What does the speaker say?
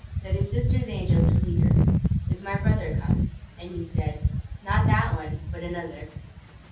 Said his sister's angel to the leader, "Is my brother come?" And he said, "Not that one, but another."